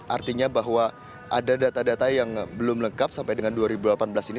artinya bahwa ada data data yang belum lengkap sampai dengan dua ribu delapan belas ini